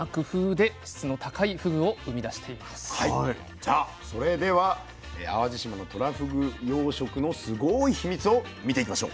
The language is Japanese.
じゃあそれでは淡路島のとらふぐ養殖のすごいヒミツを見ていきましょう。